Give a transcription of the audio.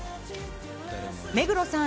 目黒さん